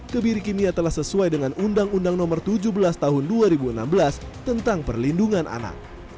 kebiri kimia telah sesuai dengan undang undang nomor tujuh belas tahun dua ribu enam belas tentang perlindungan anak